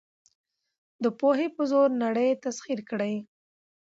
د پوهې په زور نړۍ تسخیر کړئ.